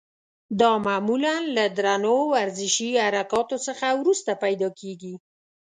دا معمولا له درنو ورزشي حرکاتو څخه وروسته پیدا کېږي.